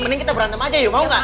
mending kita berantem aja yuk mau gak